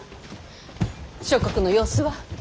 諸国の様子は？